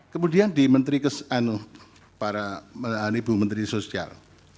kemudian di menteri kesan para menteri sosial